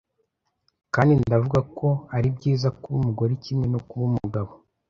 Kandi ndavuga ko ari byiza kuba umugore kimwe no kuba umugabo,